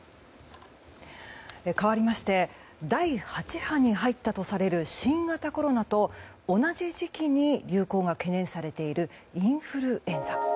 かわりまして第８波に入ったとされる新型コロナと同じ時期に流行が懸念されているインフルエンザ。